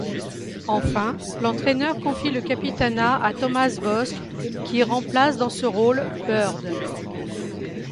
Enfin, l'entraîneur confie le capitanat à Thomas Bosc qui remplace dans ce rôle Bird.